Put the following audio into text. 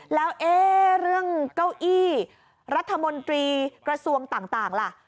แล้วเรื่องเก้าอี้รัฐมนตรีกระทรวงต่างล่ะ